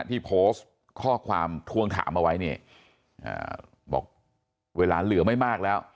ที่โพสต์ข้อความทวงถามเอาไว้เนี่ยบอกเวลาเหลือไม่มากแล้ว